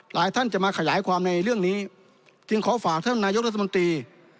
ท่านจะมาขยายความในเรื่องนี้จึงขอฝากท่านนายกรัฐมนตรี